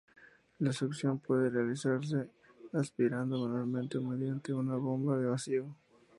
La succión puede realizarse aspirando manualmente o mediante una bomba de vacío.